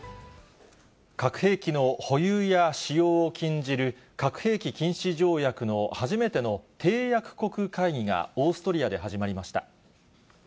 核兵器の保有や使用を禁じる核兵器禁止条約の初めての締約国会議が、オーストリアで始まりました。